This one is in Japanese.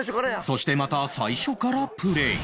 そしてまた最初からプレイ